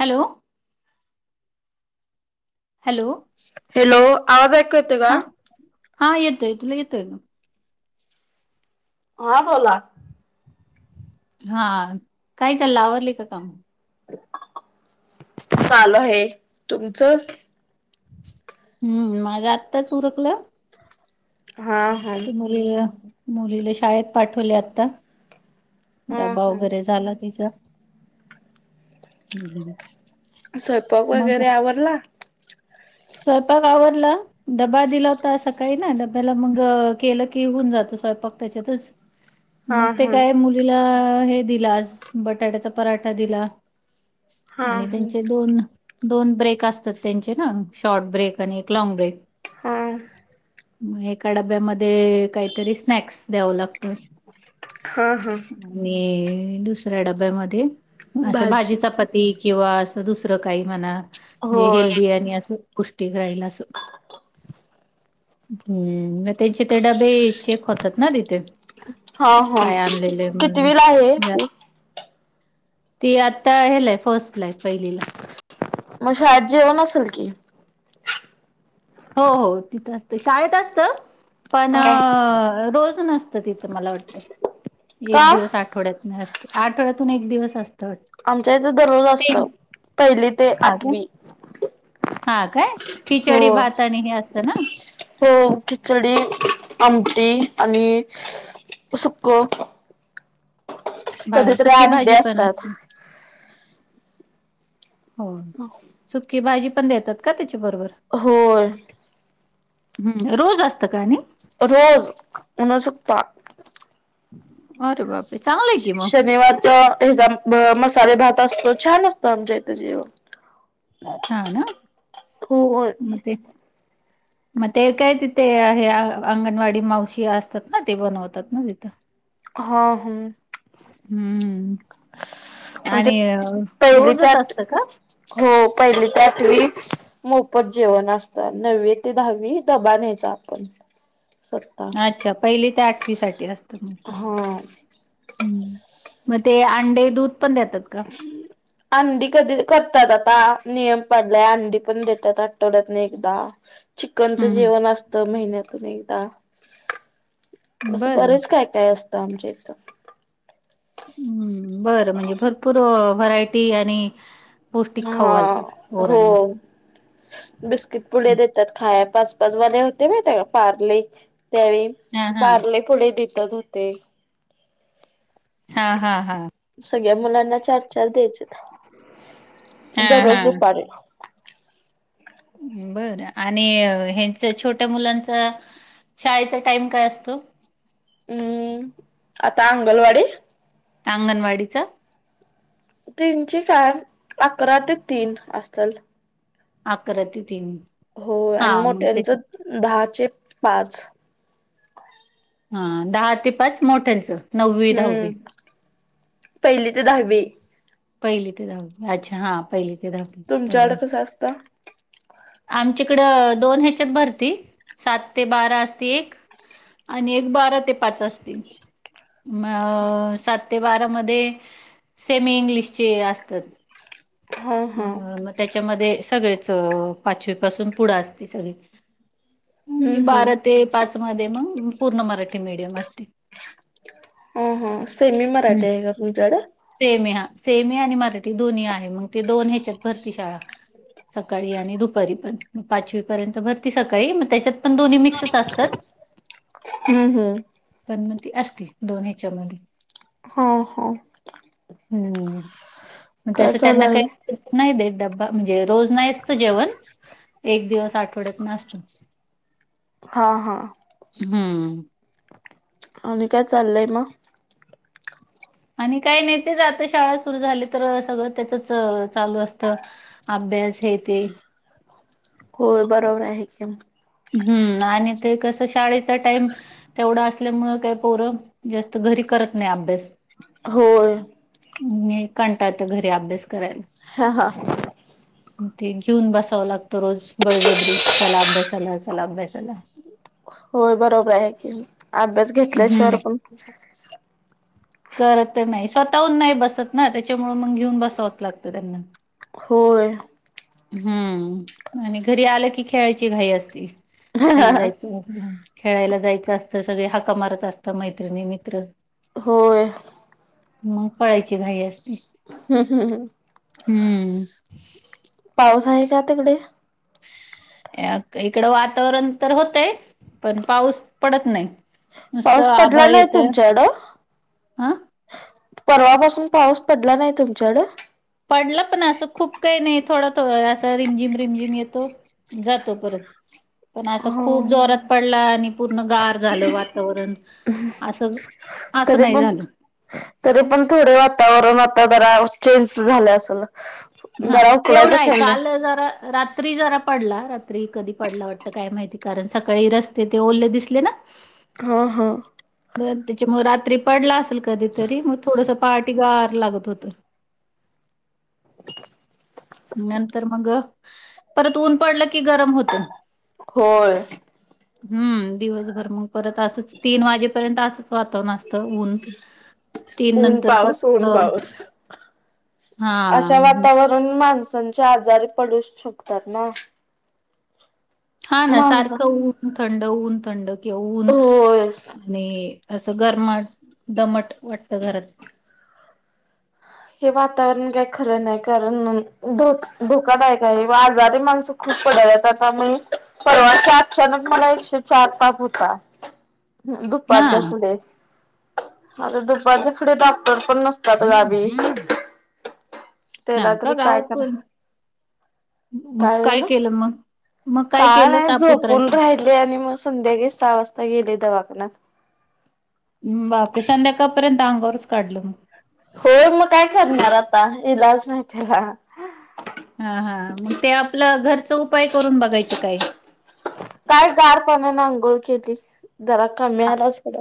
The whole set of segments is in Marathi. हॅलो. हॅलो. हॅलो आवाज ऐकू येतोय का? हां, हां येतोय, तुला येतोय का? हां बोला. हां काय चाललं? आवरली का काम? चालू आहे, तुमचं? हम्म माझं आत्ताच उरकलं. हा. हा. त मुलीला मुलीला शाळेत पाठवले आता. हा डबा हा. वगैरे झाला तिचा? स्वयंपाक मग वगैरे आवरला? स्वयंपाक आवरला. डबा दिला होता सकाळी ना डब्याला मग केलं की होऊन जात स्वयंपाक त्याच्यातच. [inaudible] हा मग ते हा काय मुलीला हे दिलं आज बटाट्याचा पराठा दिला. हा आणि त्यांचे हा दोन दोन ब्रेक असतात त्यांचे ना. शॉर्ट ब्रेक आणि एक लँग ब्रेक. हां. मग एका डब्यामध्ये काहीतरी स्नॅक्स द्यावं लागतं. हां हां. आणि दुसऱ्या डब्यामध्ये असं भाजी चपाती किंवा असं दुसरं काही म्हणा हे होय हेल्दी आणि असं. पौष्टिक राहील अस हम्म. त्यांचे ते डबे चेक होतात ना तिथे. हा हा काय आणलेले म्हणून कितवीला आहे जास्त ती? ती आता हेला आहे फर्स्ट ला आहे पहिलीला. मग शाळेत जेवण असलं की? हो हो तिथं असतं शाळेत असतं पण हो. रोज नसत त तिथं मला वाटतंय का? एक दिवस आठवड्यातन असत आठवड्यातून एक दिवस असत वाट आमच्या इथं दररोज असत पहिली ते आठवी. हां काय हो खिचडी भात आणि हे असतं ना. हो खिचडी आमटी आणि सुकं. भा कधीतरी सुकी अंडी भाजी पण असतात. असते हो सुकी भाजी पण देतात का त्याच्या बरोबर? होय. ह्म रोज असतं काणी रोज उनस पा अरे बापरे चांगलं आहे की मग शनिवारच्या हे जम ब मसाले भात असतो छान असतो आमच्या इथं जेव हा ना होय म मग ते काय तिथे हे अंगणवाडी मावशी असतात ना ते बनवतात ना तिथं हा हम्म हम्म आमचे आणि पहिली ते रोजच आठ असतं का हो पहिली ते आठवी मोफत जेवण असतं नववी ते दहावी दबा न्यायचा आपण स्वतः अच्छा पहिली ते आठवी साठी असत मग पण हा हम्म मग ते अंडे दूध पण देतात का अंडी कधी करतात आता नियम पडलाय अंडी पण देतात आठवड्यात न एकदा चिकनचं हम्म जेवण असतं महिन्यातून एकदा असं बरं बरेच काय काय असतं आमच्या इथं. हम्म बरं म्हणजे भरपूर व्हरायटी आणि पौष्टिक खाऊ हां घालतात हो. पोरांना. बिस्किट पुडे देतात खायाय पाच पाच वाले होते माहित आहे का पारले. त्यावे हा हा मारले पुढे दत होते हा हा हा सगळ्या मुलांना चार चार द्यायचे हा दररोज हा. दुपारी बरं आणि हच छोट्या मुलांचा शाळेचा टाइम काय असतो हम्म आता अंगणवाडी अंगणवाडीच तीनची टाइम अकरा ते तीन असतील अकरा ते तीन हो हा आणि मग मोठ्यांचं त्याच्या दहाचे पाच हा दहा ते पाच मोठ्यांचं नववी हम्म दहावी पहिली ते दहावी पहिली ते दहावी अच्छा हा पहिली ते दहावी बरोबर अस्त आमच्याकडं दोन ह्याच्यात भरती सात ते बारा असती एक आणि एक बारा ते पाच असतील अ सात ते बारा मध्ये सेमी इंग्लिशचे असतात हा अ हा मग त्याच्यामध्ये सगळेच पाचवी पासून पुढं असते सगळी आणि हम्म हम्म बारा ते पाच मध्ये मग पूर्ण मराठी मीडियम असते ह ह सेमी मराठीे आहे का तुमच्याकड सेम हा सेमी आणि मराठी दोन्ही आहे मग ते दोन ह्याच्यात भरती शाळा सकाळी आणि दुपारी पण पाचवीपर्यंत भरती सकाळी मग त्याच्यात पण दोन्ही मिक्सच असतात [inaudible] हम्म हम्म पण मती असती दोन्हीच्या मध्ये हा हा हम्म मग काय तस चालू त्यांना आहे? काय नाही देत डब्बा म्हणजे रोज नाहीच तर जेवण एक दिवस आठवड्यात न आसतो हा हा हम्म आणि काय चाललय मग आणि काय नाही तेच आता शाळा सुरू झाली तर सगळं त्याचच चालू असत अभ्यास हे ते होय बरोबर आहे हम्म आणि ते कसं शाळेचा टाइम तेवढं असल्यामुळे काय पोरं जास्त घरी करत नाही अभ्यास होय नाही काणताा येत घरी अभ्यास करायला हा हा [inaudible] ते घेऊन बसावं लागतं रोज बळजब्रिज ला अभ्यासाला चला अभ्यासाला होय बरोबर आहे की अभ्यास घेतल्याशिवाय हम्म पण करत नाही स्वतःहून नाही बसत ना त्याच्यामु मग घेऊन बसावंच लागत त्यांना होर हम्म आणि घरी आलं की खेळाची घाई असती खाली जायच खेळायला जायचं असत सगळे हाका मारत असत मैत्रिणी मित्र होय मग पळायची घई असते हम्म हम्म हम्म. पाऊस आहे का तिकडे इकडं वातावरण तर होतंय पण पाऊस पडत नाही पाऊस नुसतं पडला आभाळ नाही येतय तुमच्याकडं हा परवापासून पाऊस पडला नाही तुमच्याकड पडलं पण असं खूप काही नाही थोडं थो असं रिमझिम रिमझिम येतो जातो परत पण असं खूप हा जोरात पडला आणि पूर्ण गार झालं वातावरण असं असं तरी नाही पण झालं. तरी पण थोडे वातावरण आता जरा चेंज झालं असल, हा तेवढं आहे काल जरा रात्री जरा पडला रात्री कधी पडला वाटत काय माहिती कारण सकाळी रस्ते ते ओरले दिसले ना, हा हा. त्याच्या मग रात्री पडला असेल कधीतरी मग थोडस पार्टी गार लागत होत. नंतर मग परत ऊन पडलं की गरम होतं. होय. हम्म दिवसभर मग परत असंच तीन वाजेपर्यंत असंच वाातवण असत. ऊन तीन ऊन नंतर पाऊस ऊन पाऊस. हा पण माणसांच्या आजारी पडू शकतात ना हा ना माणसं सारखं होऊन थंड होऊन थंड केऊन होय. आणि असं गरमट दमट वाटतं घरात हे वातावरण काय खरं नाही कारण. धो धोकादायक आहे आजारी माणसं खूप पडला आतामुळे. परवाच अचानक मला एकशे चार तप होता दुपारच्या हां. पुढे आता दुपारच्या पुढे डॉक्टर पण नसतात गादी तेला हां का? तरी काय गावात करा पण? मग काय झाला केलं मग? मग काय केलं नाही ताप जोपून उतरायचा? राहायच. आणि मग संध्याकाळी सहा वाजता गेले दवाखान्यात, बापरे संध्याकापर्यंत अंगावरच काढलं मग, होय मग काय करणार आता इलाज नाही त्याला हा हा मग ते आपलं घरचा उपाय करून बघायचे काय, काय गारपणान आंघोळ केली जरा कमी आला ोडं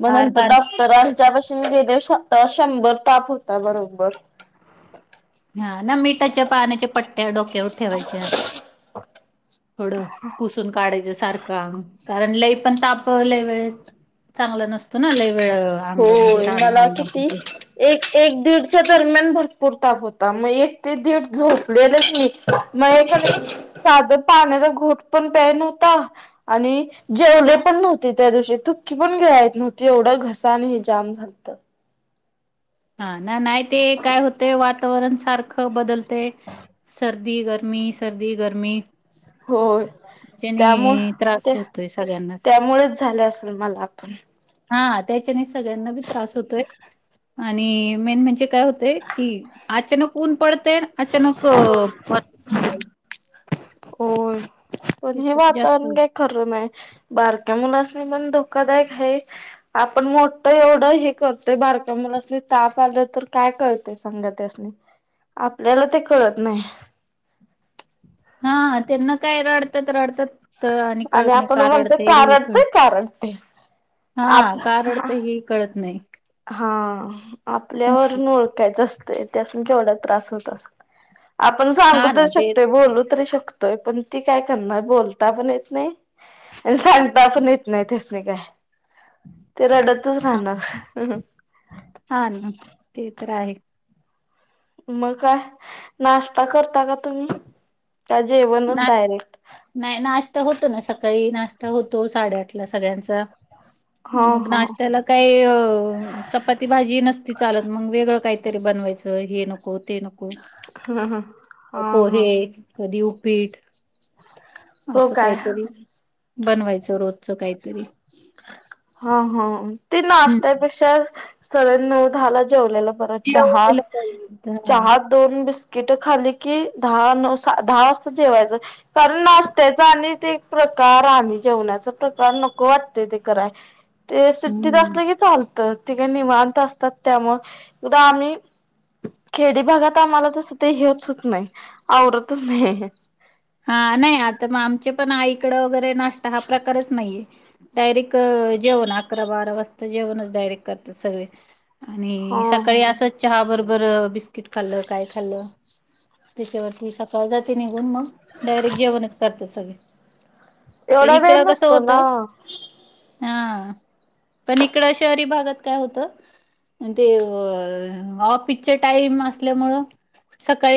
मग गार नंतर ड, पाणी. तर हच्यापशी गेले शंभर ताप होता बरोबर, हा ना मिठाच्या पाण्याच्या पट्ट्या डोक्यावर ठेवायच्या, थोड, पुसून काढायचं सारखं आंग कारण लई पण तापवलंय वेळेत चांगला नसतो ना लई वेळ अंग, म्हणजे होय राहण मला किती अंगामधी एक, एक दीडच्या दरम्यान भरपूर ताप होता मग एक ते दीड झोपलेलेच मी. मग एखादा साधं पाण्याचा घोट पण प्या नव्हता आणि जेवले पण नव्हते त्या दिवशी थुकी पण गिळाया येत नव्हती एवढं घस नाही जाम झालतं हां, ना नाही ते काय होतेय वातावरण सारखं बदलतय सर [unintelligible] गर्मी सर्दी गर्मी होय, त्यामुळे त्रास ते, होतोय सगळ्यांनाच. त्यामुळेच झाले असेल मला [unintelligible] आपण हां, त्याच्यानीच सगळ्यांना बी त्रास होतोय आणि मेन म्हणजे काय होतय की अचानक ऊन पडतेय अचानक होय! पण हे त्याच्यात जास्त वातावरण का खर नाही, बारक्या मुलासनी पण धोकादायक हाय. आपण मोठं एवढं हे करतोय, बारक्या मुलासनी ताप आलं तर काय कळतय सांगा त्यासनी. आपल्याला ते कळत नाही हां, त्यांना काय रडतात रडतात त आणि कळत नाही आपण का म्हणतो रडते का हे कळ रडतंय का रडतंय. हां, का रडतय हेही कळत नाही. हां, आपल्यावरून ओळखायचं असतंय त्यास्नी केवढा त्रास होत अस आपण सांगू हा ना तरी ते शकतोय, बोलू तरी शकतोय, पण ती काय करणार बोलता पण येत नाही. आणि सांगता पण येत नाही त्यास्नी काय, ते रडतच राहणार. हां ना, ते तर आहे. मग काय? नाष्टा करता का तुम्ही, का जेवणच ना डायरेक्ट. नाही नाश्ता होतो ना, सकाळी नाश्ता होतो, साडेआठला सगळ्यांचा. हा मग हा ह नाश्त्याला काही अ चपाती भाजी नसती चालत, मग वेगळं काहीतरी बनवायचं, हे नको, ते नको हं हा पोहे हा. कधी उपीट, हो अस काय काहीतरी बनवायचं रोज. च काहीतरी. हां हां, ते हं, नाश्त्यापेक्षा, सगळ्यांनी नऊ दहाला जेवलेला परत, जेवू चहात, दिलं पाहिजे हां. चहात दोन बिस्किट खाली की, दहा नऊ, दहा वाजता जेवायचं. कारण नाश्त्याचा आणि ते प्रकार, आणि जेवण्याचा प्रकार नको वाटत ते कराय. ते सिट्टीत हं. असलं की चालतं, ते काय निवांत असतात त्यामुळं, इकड आम्ही खेडी भागात आम्हाला तस ते ह्योच होत नाही, आवरतच नाही. हां नाही, आता मग आमच्या पण आईकडं वगैरे नाश्ता हा प्रकारच नाहीये, डायरेक्ट जेवण, अकरा बारा वाजता जेवणच डायरेक्ट करतात सगळे. हा आणि सकाळी हा असच, चहा बरोबर बिस् किट खाल्लं, काय खाल्लं, त्याच्यावरती सकाळ जाते निघून मग, [unintelligible] डायरेक्ट जेवणच करत्यात सगळे, प एवढा इकड वेळ कसं नसतो होत, ना. हां! पण इकडं शहरी भागात काय होतं, ते अ ऑफिचे टाईम असल्यामुळं, सकाळी